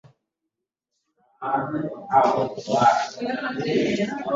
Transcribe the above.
Magamba hujitokeza kwenye ngozi baada ya ngozi kupona